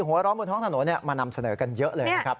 หัวร้อนบนท้องถนนมานำเสนอกันเยอะเลยนะครับ